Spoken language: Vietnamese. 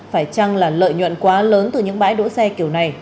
phải chăng là lợi nhuận quá lớn từ những bãi đỗ xe kiểu này